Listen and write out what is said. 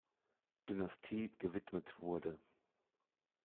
Dynastie gewidmet wurde.